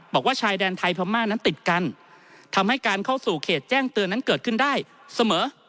บอกว่าชายแดนไทยพม่านั้นติดกันทำให้การเข้าสู่เขตแจ้งเตือนนั้นเกิดขึ้นได้เสมอ